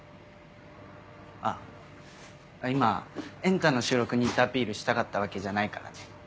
あっ今『エンタ』の収録に行ったアピールしたかったわけじゃないからね。